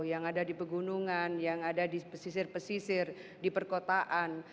yang ada di pegunungan yang ada di pesisir pesisir di perkotaan